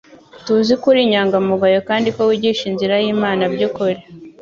"Tuzi ko uri inyangamugayo kandi ko wigisha inzira y'Imana by'ukuri."